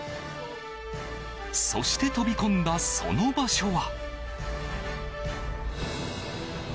そして飛び込んだその場所は。